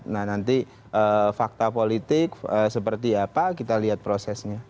nah nanti fakta politik seperti apa kita lihat prosesnya